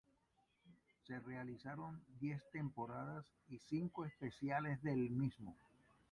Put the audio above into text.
Se realizaron diez temporadas y cinco especiales del mismo.